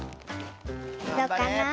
どうかな？